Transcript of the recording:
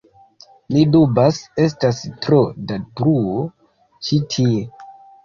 Mi dubas, estas tro da bruo ĉi tie